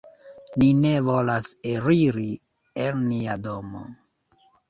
"Ni ne volas eliri el nia domo."